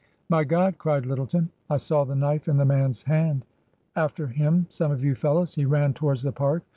" My God !" cried Lyttleton. " I saw the knife in the man's hand. After him some of you fellows! He ran towards the Park.